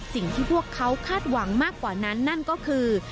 สิ่งที่พวกเขาคาดหวังมากกว่านั้นนั่นก็คือ